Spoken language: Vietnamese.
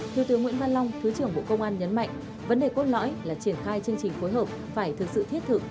thiếu tướng nguyễn văn long thứ trưởng bộ công an nhấn mạnh vấn đề cốt lõi là triển khai chương trình phối hợp phải thực sự thiết thực